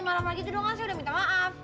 semalam lagi itu doang saya udah minta maaf